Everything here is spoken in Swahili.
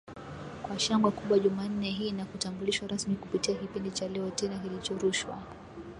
kwa shangwe kubwa Jumanne hii na kutambulishwa rasmi kupitia kipindi cha Leo Tena kilichorushwa